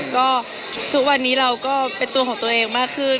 ก็ทุกวันนี้เราก็เป็นตัวของตัวเองมากขึ้น